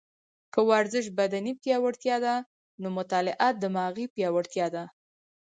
که ورزش بدني پیاوړتیا ده، نو مطاله دماغي پیاوړتیا ده